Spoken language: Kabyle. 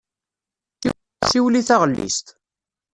Siwel i taɣellist!